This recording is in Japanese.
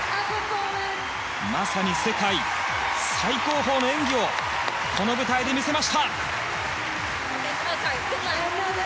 まさに世界最高峰の演技をこの舞台で見せました。